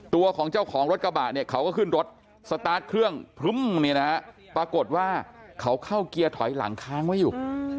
ตัวของเจ้าของรถกระบาดเขาก็ขึ้นรถสตาร์ทเครื่องปรากฏว่าเขาเข้าเกียร์ถอยหลังค้างไว้อยู่